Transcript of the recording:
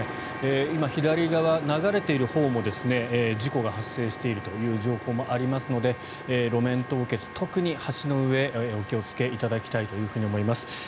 今、左側流れているほうも事故が発生しているという情報もありますので路面凍結、特に橋の上お気をつけいただきたいと思います。